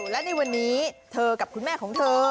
และในวันนี้เธอกับคุณแม่ของเธอ